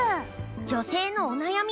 女性のお悩み